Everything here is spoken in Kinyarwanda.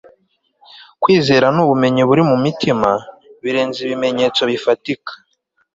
kwizera ni ubumenyi buri mu mutima, birenze ibimenyetso bifatika